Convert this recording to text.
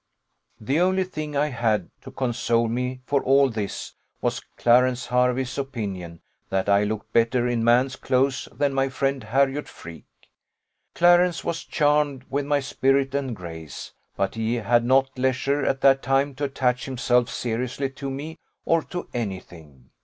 "The only thing I had to console me for all this was Clarence Hervey's opinion that I looked better in man's clothes than my friend Harriot Freke. Clarence was charmed with my spirit and grace; but he had not leisure at that time to attach himself seriously to me, or to any thing.